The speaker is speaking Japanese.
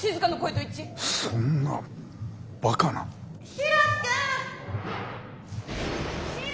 ヒロシ君！